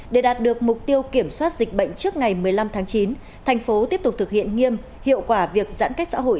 để đạt được mục tiêu kiểm soát dịch bệnh trước ngày một mươi năm tháng chín thành phố tiếp tục thực hiện nghiêm hiệu quả việc giãn cách xã hội